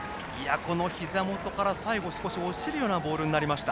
このひざ元から最後少し落ちるようなボールでした。